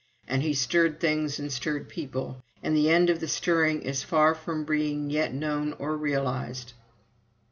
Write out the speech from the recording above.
And he stirred things and stirred people. And the end of the stirring is far from being yet known or realized."